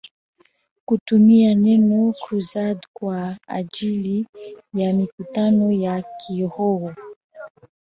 kutumia neno Crusade kwa ajili ya mikutano ya kiroho